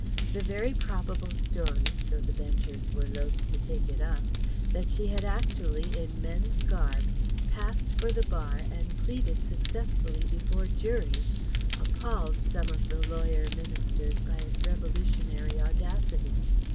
The very probable story though the Benchers were loth to take it up that she had actually in man's garb passed for the Bar and pleaded successfully before juries, appalled some of the lawyer ministers by its revolutionary audacity.